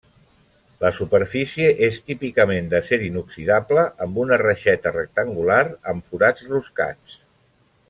La superfície és típicament d'acer inoxidable amb una reixeta rectangular amb forats roscats.